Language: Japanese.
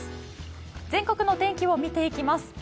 全国の天気を見ていきます。